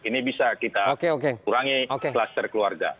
ini bisa kita kurangi kluster keluarga